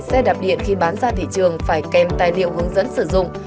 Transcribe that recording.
xe đạp điện khi bán ra thị trường phải kèm tài liệu hướng dẫn sử dụng